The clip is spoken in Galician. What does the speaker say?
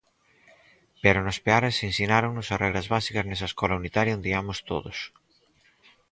Pero nos Peares ensináronnos as regras básicas nesa escola unitaria onde iamos todos.